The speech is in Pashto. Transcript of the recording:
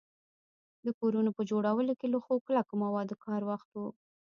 د کورونو په جوړولو کي له ښو کلکو موادو کار واخلو